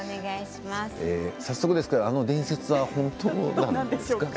早速ですけれどあの伝説は本当なんですか。